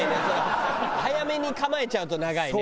早めに構えちゃうと長いね。